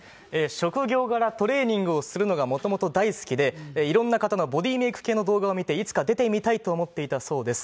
職業柄、トレーニングをするのがもともと大好きで、いろんな方のボディメイク系の動画を見て、いつか出てみたいと思っていたそうです。